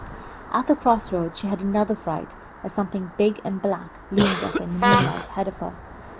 At the cross roads she had another fright, as something big and black loomed up in the moonlight ahead of her.